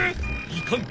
いかん！